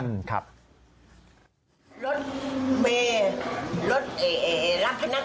รถเวย์รถรับพนักงาน